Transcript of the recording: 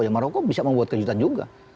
ya maroko bisa membuat kejutan juga